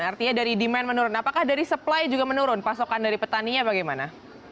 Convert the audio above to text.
artinya dari demand menurun apakah dari supply juga menurun pasokan dari petaninya bagaimana